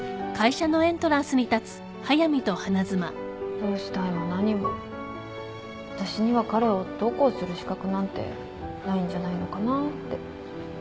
どうしたいも何も私には彼をどうこうする資格なんてないんじゃないのかなって。